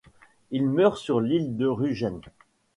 Il meurt sur l'île de Rügen.